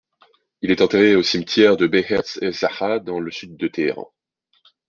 Il est enterré au cimetière de Behesht-e Zahra, dans le sud de Téhéran.